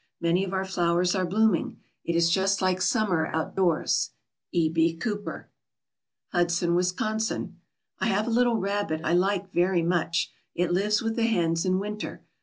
Many of our flowers are blooming. It is just like summer out doors. E. B. COOPER. HUDSON, WISCONSIN. I have a little rabbit I like very much. It lives with the hens in winter.